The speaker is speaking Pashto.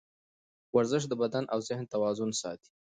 ورزش د بدن او ذهن توازن ساتي.